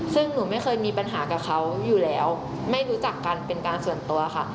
ซึ่งหนูไม่เคยมีปัญหากับเขาอยู่แล้วไม่รู้จักกันเป็นการส่วนตัวค่ะ